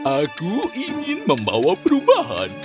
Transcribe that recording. aku ingin membawa perubahan